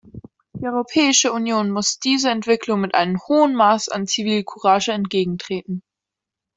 Die Europäische Union muss dieser Entwicklung mit einem hohen Maß an Zivilcourage entgegentreten.